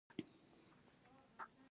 چیني بسونه اوس نړۍ ته ځي.